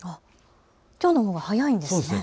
きょうのほうが早いんですね。